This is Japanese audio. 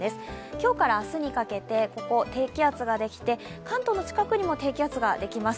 今日から明日にかけて、ここ、低気圧ができて、関東の近くにも低気圧ができます。